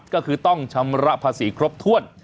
ก็คือต้องชำระภาษีครบถ้วน